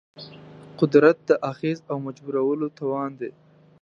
قدرت د اغېز او مجبورولو توان دی.